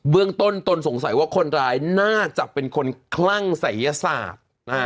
เรื่องต้นตนสงสัยว่าคนร้ายน่าจะเป็นคนคลั่งศัยยศาสตร์